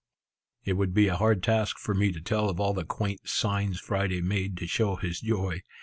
It would be a hard task for me to tell of all the quaint, signs Friday made to show his joy.